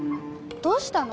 どうしたの？